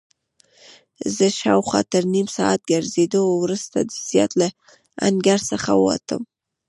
زه شاوخوا تر نیم ساعت ګرځېدو وروسته د زیارت له انګړ څخه ووتم.